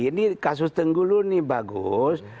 ini kasus tenggulu ini bagus